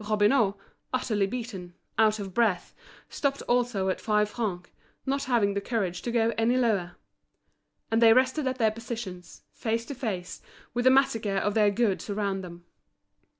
Robineau, utterly beaten, out of breath, stopped also at five francs, not having the courage to go any lower. And they rested at their positions, face to face, with the massacre of their goods around them.